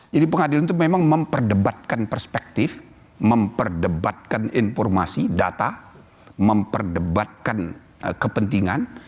jadi pengadilan itu memang memperdebatkan perspektif memperdebatkan informasi data memperdebatkan kepentingan